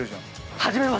◆始めます！